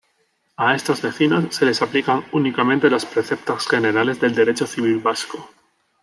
A estos vecinos se les aplican únicamente los preceptos generales del derecho civil vasco.